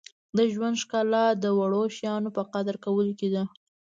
• د ژوند ښکلا د وړو شیانو په قدر کولو کې ده.